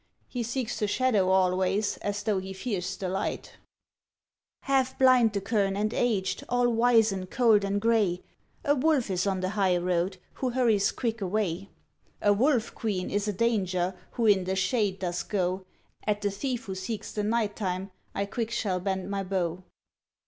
He seeks the shadow always, as though he fears the lisht.' 'Half blind the kern, and aged, all wizen, cold, and She tries to persuade grey, the prince A wolf is on the highroad, who hurries quick away.' ||jsa wild ' A wolf. Queen, is a danger who in the shade docs go, At the thief who seeks the night time I quick shall bend mv bow.'